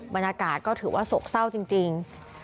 บรรยากาศก็ถือว่าโศกเศร้าจริง